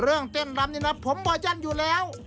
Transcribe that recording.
เรื่องเต้นรำนี่นะผมบ่อยั่นอยู่แล้ว